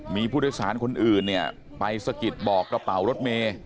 มีผู้โดยสารคนอื่นเนี่ยไปสะกิดบอกกระเป๋ารถเมย์